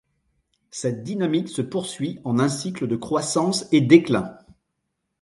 Cette dynamique se poursuit en un cycle de croissance et déclin.